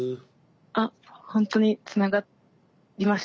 あほんとにつながりました。